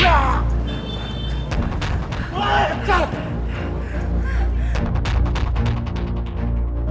udah gak apa apa